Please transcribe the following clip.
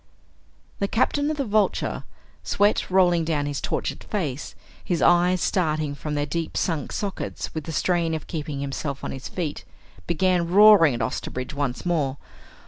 The Captain of the Vulture, sweat rolling down his tortured face, his eyes starting from their deep sunk sockets with the strain of keeping himself on his feet, began roaring at Osterbridge once more.